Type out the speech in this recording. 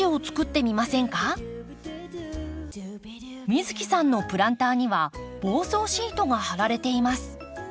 美月さんのプランターには防草シートが張られています。